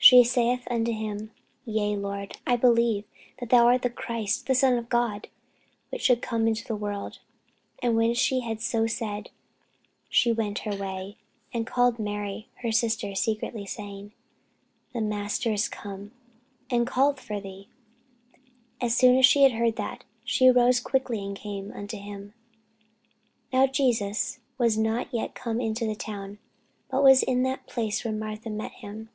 She saith unto him, Yea, Lord: I believe that thou art the Christ, the Son of God, which should come into the world. And when she had so said, she went her way, and called Mary her sister secretly, saying, The Master is come, and calleth for thee. As soon as she heard that, she arose quickly, and came unto him. Now Jesus was not yet come into the town, but was in that place where Martha met him.